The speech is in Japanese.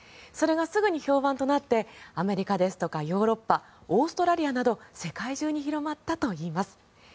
それがすぐに評判となってアメリカ、ヨーロッパオーストラリアなど世界中に広まったといいます。